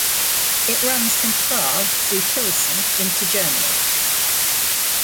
It runs from Prague through Pilsen into Germany.